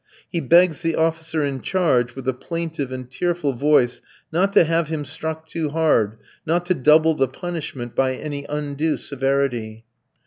He begs the officer in charge, with a plaintive and tearful voice, not to have him struck too hard, not to double the punishment by any undue severity.